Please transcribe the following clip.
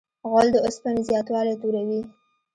غول د اوسپنې زیاتوالی توروي.